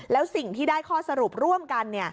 แล้วสิ่งที่ได้ข้อสรุปร่วมกัน